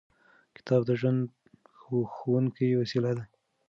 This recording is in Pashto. کتاب د ژوند ښوونکې وسیله ده.